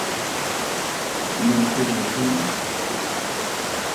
তুমি এসব লেখবে না?